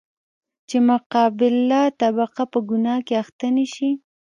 چـې مـقابله طبـقه پـه ګنـاه کـې اخـتـه نـشي.